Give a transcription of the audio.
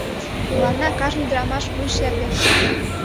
— Мыланна кажне ӱдырамаш вуй шерге!